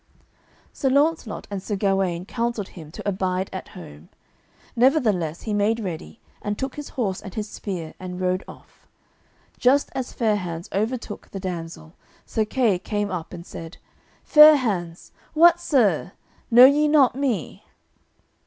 Sir Launcelot and Sir Gawaine counselled him to abide at home; nevertheless he made ready and took his horse and his spear and rode off. Just as Fair hands overtook the damsel, Sir Kay came up, and said, "Fair hands, what sir, know ye not me?"